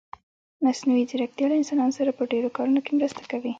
مصنوعي ځيرکتيا له انسانانو سره په ډېرو کارونه کې مرسته کوي.